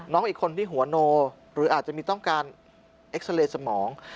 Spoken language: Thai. อีกคนที่หัวโนหรืออาจจะมีต้องการเอ็กซาเรย์สมอง